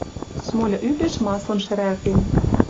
Смольы ӱпеш маслым шӹрӓлтен.